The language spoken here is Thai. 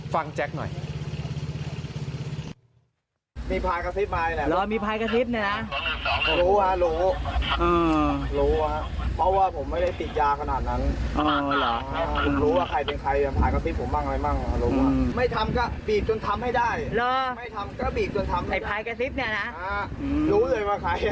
ฟังแจ็คหน่อย